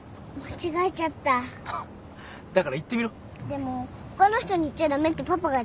でも他の人に言っちゃ駄目ってパパが言ってたよ。